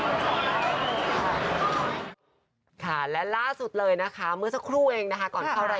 เรื่องมีกับความปลาดขนาดดูหรือการสนิทครองก่อนที่นาย